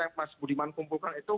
yang mas budiman kumpulkan itu